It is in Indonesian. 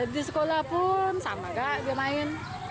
di sekolah pun sama gak dia main